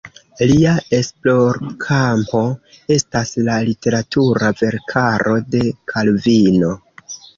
Lia esplorkampo estas la literatura verkaro de Kalvino.